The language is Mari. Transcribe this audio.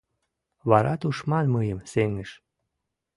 Вара тушман мыйым сеҥыш